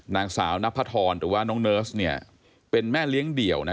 นางสาวนพธรหรือว่าน้องเนิร์สเป็นแม่เลี้ยงเดี่ยว